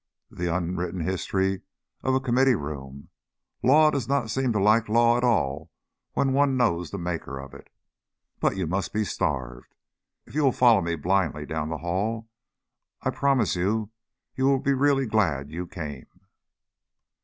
"The unwritten history of a Committee Room! Law does not seem like law at all when one knows the makers of it. But you must be starved. If you will follow me blindly down the hall, I promise that you will really be glad you came."